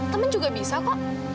temen juga bisa kok